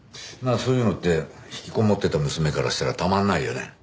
そういうのって引きこもってた娘からしたらたまんないよね。